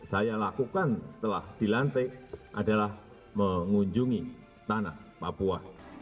saya lakukan setelah dilantik adalah mengunjungi tanah papua